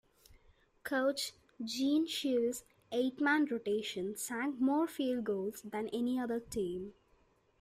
Coach Gene Shue's eight-man rotation sank more field goals than any other team.